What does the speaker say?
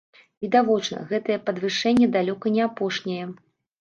Відавочна, гэтае падвышэнне далёка не апошняе.